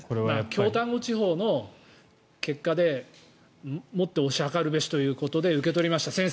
京丹後地方の結果でもっと推し量るべしということで受け取りました。